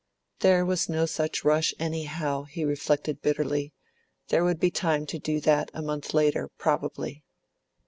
There was no such rush, anyhow, he reflected bitterly; there would be time to do that a month later, probably.